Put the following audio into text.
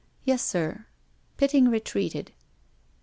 " Yes, sir." Pitting retreated.